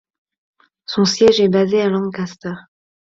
Son siège est basé à Lancaster.